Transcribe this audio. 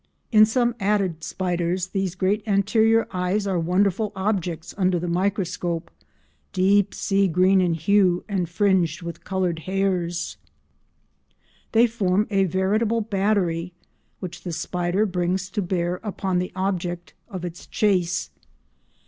In some Attid spiders these great anterior eyes are wonderful objects under the microscope, deep sea green in hue and fringed with coloured hairs. They form a veritable battery which the spider brings to bear upon the object of its chase.